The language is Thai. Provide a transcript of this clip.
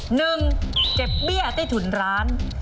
หนึ่งเก็บเบี้ยใต้ถุนร้าน